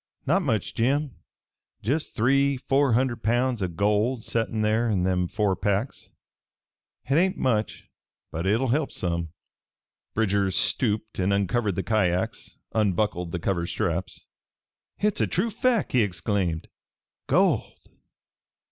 "Not much, Jim. Jest three four hunderd pounds o' gold settin' there in them four packs. Hit hain't much, but hit'll help some." Bridger stooped and uncovered the kyacks, unbuckled the cover straps. "Hit's a true fack!" he exclaimed. "Gold!